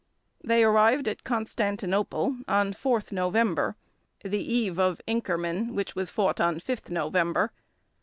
They arrived at Constantinople on 4th November, the eve of Inkerman, which was fought on 5th November.